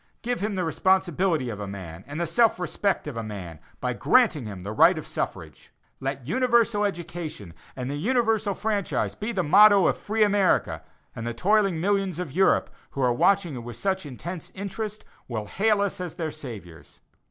Give him the responsibility of a man and the self respect of a man, by granting him the right of suffrage. Let universal education, and the universal franchise be the motto of free America, and the toiling millions of Europe, who are watching you with such intense interest, will hail us as their saviors.